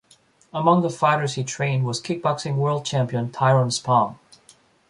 Among the fighters he trained was kickboxing world champion Tyrone Spong.